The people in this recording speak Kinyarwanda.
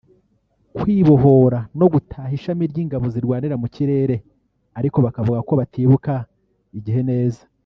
Kwibohora no gutaha ishami ry’ingabo zirwanira mu kirere ariko bakavuga ko batibuka igihe neza